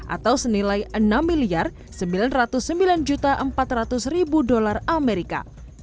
atau senilai enam sembilan ratus sembilan empat ratus dolar amerika